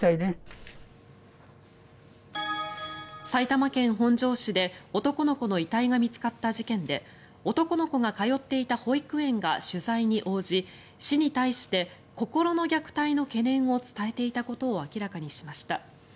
埼玉県本庄市で男の子の遺体が見つかった事件で男の子が通っていた保育園が取材に応じ市に対して心の虐待の懸念を伝えていたことを明らかにしました。